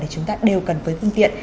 thì chúng ta đều cần với phương tiện